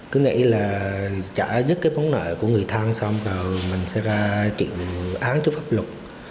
cứ nghĩ là trả dứt cái vấn nợ của người thân xong rồi mình sẽ ra triệu án trước pháp luật